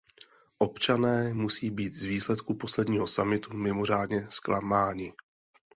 Občané musí být z výsledků posledního summitu mimořádně zklamáni.